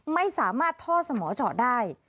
ไม่สามารถท่อสมอเจาะได้